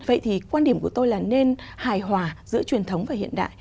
vậy thì quan điểm của tôi là nên hài hòa giữa truyền thống và hiện đại